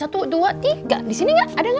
satu dua tiga di sini gak ada gak